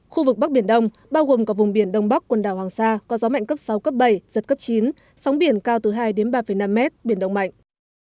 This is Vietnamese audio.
khu vực bắc biển đông bao gồm cả vùng biển đông bắc quần đảo hoàng sa có gió mạnh cấp sáu cấp bảy giật cấp chín sóng biển cao từ hai đến ba năm mét biển động mạnh